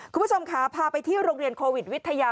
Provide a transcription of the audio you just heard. คุณผู้ชมค่ะพาไปที่โรงเรียนโควิดวิทยา